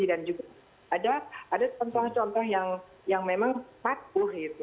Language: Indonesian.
dan juga ada contoh contoh yang memang patuh itu